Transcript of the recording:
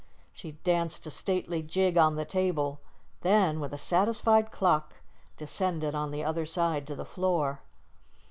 She danced a stately jig on the table, then, with a satisfied cluck, descended on the other side to the floor.